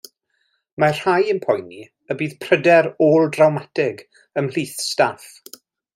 Mae rhai yn poeni y bydd pryder ôl-drawmatig ymhlith staff.